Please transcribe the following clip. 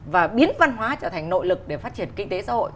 và biến văn hóa trở thành nội lực để phát triển kinh tế xã hội